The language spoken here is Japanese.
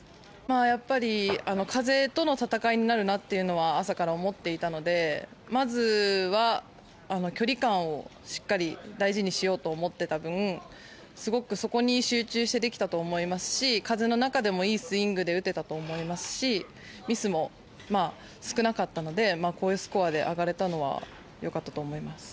やっぱり風との戦いになるなとは朝から思っていたのでまずは、距離感をしっかり大事にしようと思っていた分すごく、そこに集中してできたと思いますし風の中でもいいスイングで打てたと思いますしミスも少なかったのでこういうスコアで上がれたのは良かったと思います。